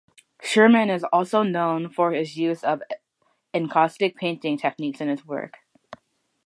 Scherman is also known for his use of encaustic painting techniques in his work.